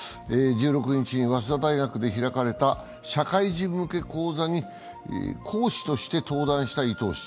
１６日に早稲田大学で開かれた社会人向け講座に講師として登壇した伊東氏。